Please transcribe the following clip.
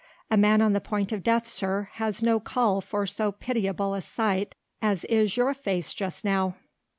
A man on the point of death, sir, has no call for so pitiable a sight as is your face just now."